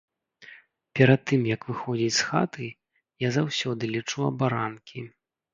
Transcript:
Перад тым як выходзіць з хаты, я заўсёды лічу абаранкі.